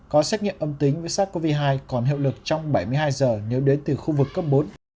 có xét nghiệm âm tính với sars cov hai còn hiệu lực trong bảy mươi hai giờ nếu đến từ khu vực cấp bốn